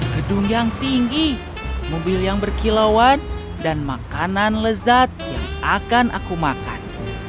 gedung yang tinggi mobil yang berkilauan dan makanan lezat yang akan aku makan